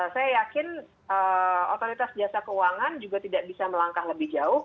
saya yakin otoritas jasa keuangan juga tidak bisa melangkah lebih jauh